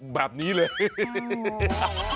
แบบนี้เลย